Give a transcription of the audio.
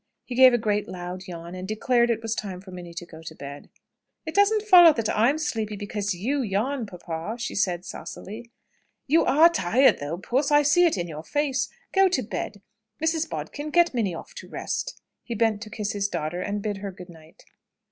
He gave a great loud yawn, and declared it was time for Minnie to go to bed. "It doesn't follow that I'm sleepy because you yawn, papa!" she said saucily. "You are tired though, puss! I see it in your face. Go to bed. Mrs. Bodkin, get Minnie off to rest." He bent to kiss his daughter, and bid her good night.